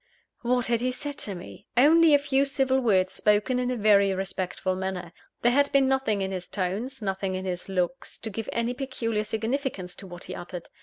What had he said to me? Only a few civil words, spoken in a very respectful manner. There had been nothing in his tones, nothing in his looks, to give any peculiar significance to what he uttered.